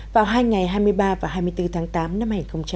vào hai ngày hai mươi ba và hai mươi bốn tháng tám năm hai nghìn một mươi chín